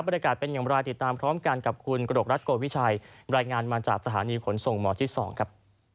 บริการเป็นอย่างไรติดตามพร้อมกันกับคุณกระดกรัฐโกวิชัยรายงานมาจากสถานีขนส่งหมอที่๒ครับ